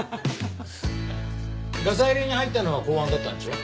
ガサ入れに入ったのは公安だったんでしょ？